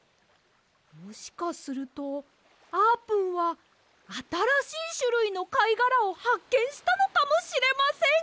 もしかするとあーぷんはあたらしいしゅるいのかいがらをはっけんしたのかもしれません！